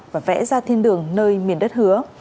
và vẽ ra thiên đường nơi miền đất hứa